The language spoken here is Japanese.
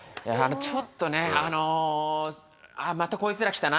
ちょっとねあのまたこいつら来たな。